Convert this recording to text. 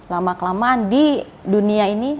lama kelamaan di dunia ini